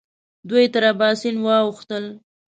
دوی تر اباسین واوښتل.